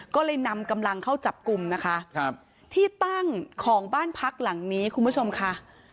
ก็เลยนำกำลังเข้าจับกลุ่มนะคะครับที่ตั้งของบ้านพักหลังนี้คุณผู้ชมค่ะ